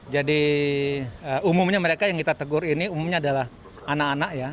jadi umumnya mereka yang kita tegur ini umumnya adalah anak anak ya